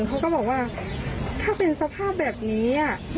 เขาก็บอกว่าถ้าเป็นสภาพแบบนี้